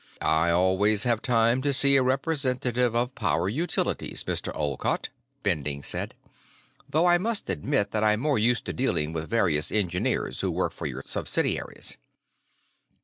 "I always have time to see a representative of Power Utilities, Mr. Olcott," Bending said. "Though I must admit that I'm more used to dealing with various engineers who work for your subsidiaries."